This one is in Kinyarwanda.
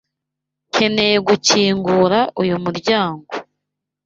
Nkeneye gukingura uyu muryango.